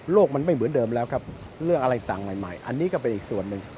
มันไม่เหมือนเดิมแล้วครับเรื่องอะไรต่างใหม่อันนี้ก็เป็นอีกส่วนหนึ่ง